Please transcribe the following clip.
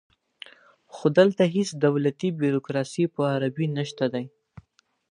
خو دلته هیڅ دولتي بیروکراسي په عربي نشته دی